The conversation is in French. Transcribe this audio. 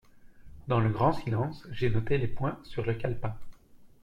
Dans le grand silence, j’ai noté les points sur le calepin.